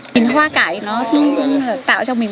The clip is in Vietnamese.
những hoa cải nó luôn tạo cho mình